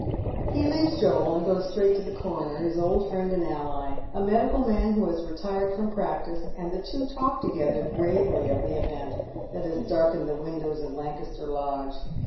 He leaves Joel, and goes straight to the coroner, his old friend and ally, a medical man who has retired from practice, and the two talk together gi avely of the event that has darkened the windows of Lancaster Lodge.